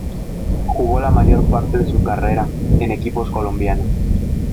Jugó la mayor parte de su carrera en equipos colombianos.